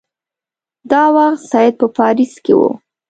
دا وخت سید په پاریس کې وو.